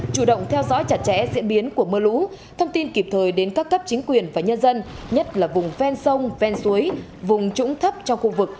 chủ động theo dõi chặt chẽ diễn biến của mưa lũ thông tin kịp thời đến các cấp chính quyền và nhân dân nhất là vùng ven sông ven suối vùng trũng thấp trong khu vực